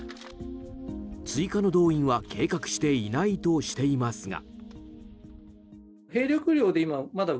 追加の動員は計画していないとしていますが。